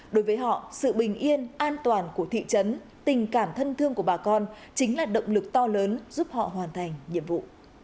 đối với họ sự bình yên an toàn của thị trấn tình cảm thân thương của bà con chính là động lực to lớn giúp họ hoàn thành nhiệm vụ